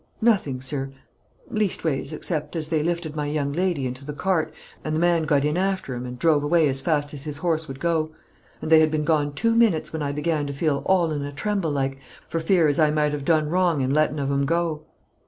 "Nothing, sir; leastways, except as they lifted my young lady into the cart, and the man got in after 'em, and drove away as fast as his horse would go; and they had been gone two minutes when I began to feel all in a tremble like, for fear as I might have done wrong in lettin' of 'em go."